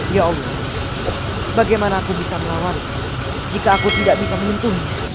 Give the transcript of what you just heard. ya allah bagaimana aku bisa melawan jika aku tidak bisa menyentuh